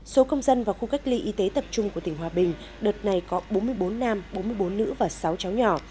số công dân vào khu cách ly y tế tập trung của tỉnh hòa bình đợt này có bốn mươi bốn nam bốn mươi bốn nữ và sáu cháu nhỏ